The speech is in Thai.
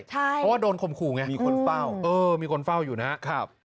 ใช่มีคนเฝ้าใช่มีคนเฝ้าอยู่นะครับ